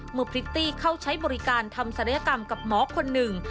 พริตตี้เข้าใช้บริการทำศัลยกรรมกับหมอคนหนึ่ง